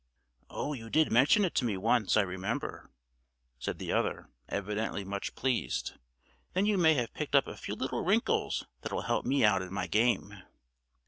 "Oh! you did mention it to me once, I remember," said the other, evidently much pleased. "Then you may have picked up a few little wrinkles that will help me out in my game."